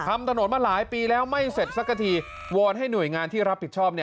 ทำถนนมาหลายปีแล้วไม่เสร็จสักทีวอนให้หน่วยงานที่รับผิดชอบ